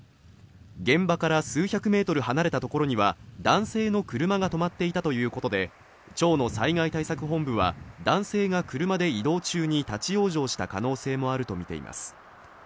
現場から数百メートル離れたところには男性の車が止まっていたということで町の災害対策本部は男性が車で移動中に立往生した可能性もあると見ています